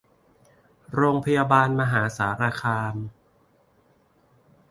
โรงพยาบาลมหาสารคาม